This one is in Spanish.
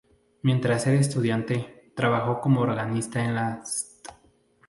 Mientras era estudiante, trabajó como organista en la St.